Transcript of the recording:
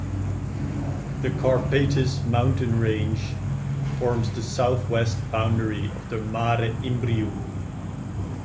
The Carpatus mountain range forms the southwest boundary of the Mare Imbrium.